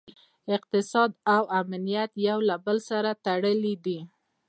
اقتصاد او امنیت یو له بل سره تړلي دي